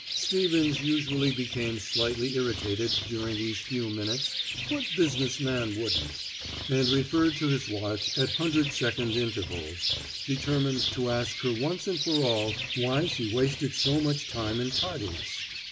Stevens usually became slightly irritated during these few minutes what business man wouldn't? and referred to his watch at hundred second intervals, determined to ask her once and for all why she wasted so much time in tardiness.